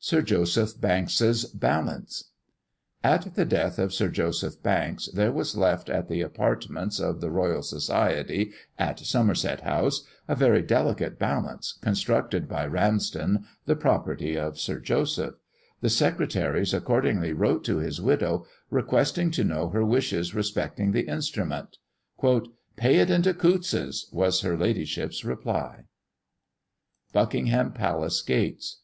SIR JOSEPH BANKS'S "BALANCE." At the death of Sir Joseph Banks, there was left at the apartments of the Royal Society, at Somerset House, a very delicate balance, constructed by Ramsden, the property of Sir Joseph. The secretaries accordingly wrote to his widow, requesting to know her wishes respecting the instrument. "Pay it into Coutts's," was her ladyship's reply. BUCKINGHAM PALACE GATES.